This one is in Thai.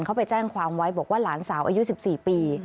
เขาไปแจ้งความไว้บอกว่าหลานสาวอายุ๑๔ปี